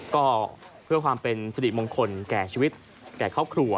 ก็เพื่อความเป็นสิริมงคลแก่ชีวิตแก่ครอบครัว